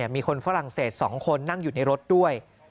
มีคนฝรั่งเศส๒คนนั่งอยู่ในรถด้วย